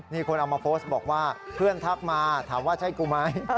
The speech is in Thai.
นี่คนเอามาโพสต์บอกว่าเพื่อนทักมาถามว่าใช่กูไหม